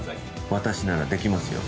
私ならできますよ。